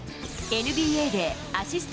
ＮＢＡでアシスト